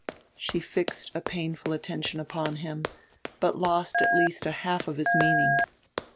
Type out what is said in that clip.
She fixed a painful attention upon him, but lost at least a half of his meaning.